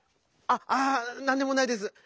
あっあなんでもないです。